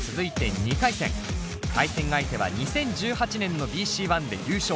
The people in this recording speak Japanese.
対戦相手は２０１８年のＢＣＯｎｅで優勝。